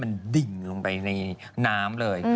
มันดิ่งลงไปในน้ำเลย